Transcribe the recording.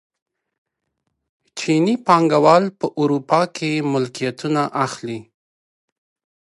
چیني پانګوال په اروپا کې ملکیتونه اخلي.